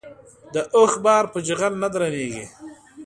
د اوښ بار په چيغل نه درنېږي.